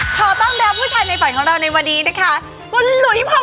พอต้องเลือกผู้ชายในฝันของเราในวันนี้นะคะคุณหลุยพองพัน